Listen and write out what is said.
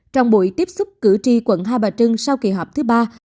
trong buổi tiếp xúc cử tri quận hai bà trưng sau kỳ họp thứ ba